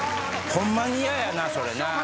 ホンマに嫌やなそれな。